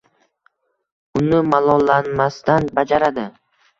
uni malollanmasdan bajaradi.